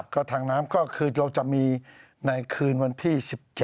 ก็ทางน้ำก็คือเราจะมีในคืนวันที่๑๗